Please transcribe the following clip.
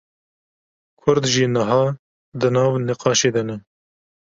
Kurd jî niha di nav nîqaşê de ne